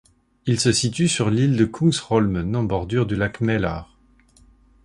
Il se situe sur l'île de Kungsholmen en bordure du lac Mälar.